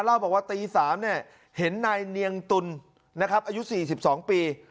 เล่าบอกว่าตีสามเนี่ยเห็นนายเนียงตุลนะครับอายุสี่สิบสองปี